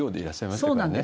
そうなんです。